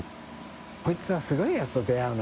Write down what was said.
海い弔すごいやつと出会うな。